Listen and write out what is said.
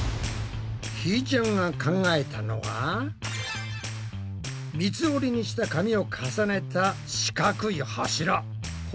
ひーちゃんが考えたのは三つ折りにした紙を重ねた四角い柱。